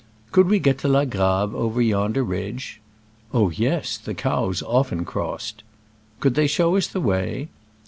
" Could we get to La Grave over yonder ridge ?" "Oh yes ! the cows often cross ed !" Could they show us the way